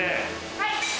はい。